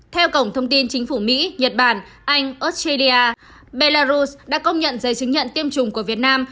theo cổng thông tin chính phủ mỹ nhật bản anh australia belarus đã công nhận giấy chứng nhận tiêm chủng của việt nam